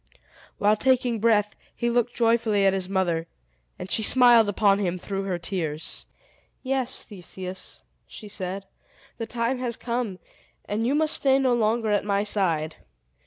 While taking breath, he looked joyfully at his mother, and she smiled upon him through her tears. "Yes, Theseus," she said, "the time has come, and you must stay no longer at my side!